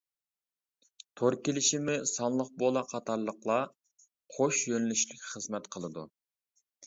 تور كېلىشىمى، سانلىق بولاق قاتارلىقلار قوش يۆنىلىشلىك خىزمەت قىلىدۇ.